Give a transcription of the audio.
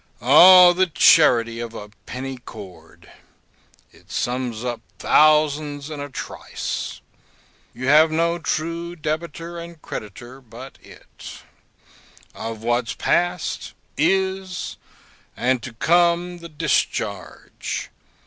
O, the charity of a penny cord! It sums up thousands in a trice. You have no true debitor and creditor but it; of what's past, is, and to come, the discharge.